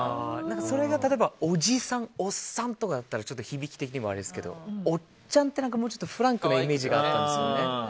それが例えばおじさん、おっさんとかだとちょっと響き的にあれですけどおっちゃんってもうちょっとフランクなイメージがあったんですよね。